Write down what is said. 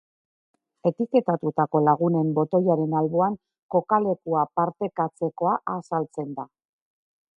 Etiketatutako lagunen botoiaren alboan, kokalekua partekatzekoa azaltzen da.